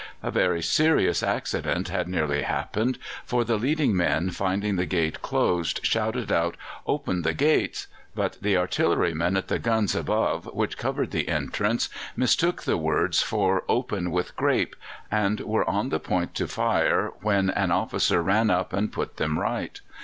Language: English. A very serious accident had nearly happened, for the leading men, finding the gate closed, shouted out, "Open the gates!" but the artillerymen at the guns above, which covered the entrance, mistook the words for "Open with grape," and were on the point to fire when an officer ran up and put them right.